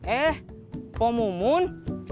eh poh mumun